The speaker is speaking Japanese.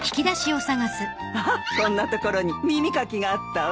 あっこんな所に耳かきがあったわ。